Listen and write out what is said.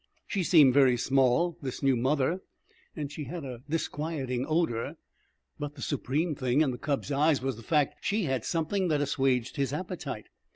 She seemed very small, this new mother, and she had a disquieting odor; but the supreme thing, in the cub's eyes, was the fact she had something that assuaged his appetite.